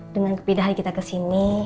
dengan kepindahan kita kesini